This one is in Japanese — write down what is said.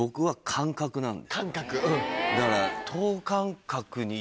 だから。